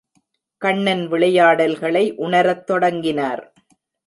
கண்ணன் விளையாடல்களை உணரத் தொடங்கினார்.